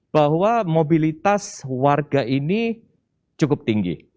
bahwa mobilitas warga ini cukup tinggi